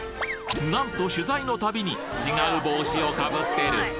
なんと取材のたびに違う帽子を被ってる！